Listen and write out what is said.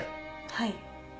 はい。